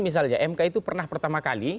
misalnya mk itu pernah pertama kali